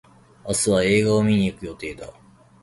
明日は映画を観に行く予定だ。